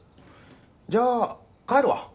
じゃあ帰るわ。